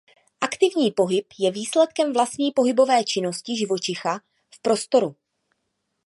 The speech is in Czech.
Aktivní pohyb je výsledkem vlastní pohybové činnosti živočicha v prostoru.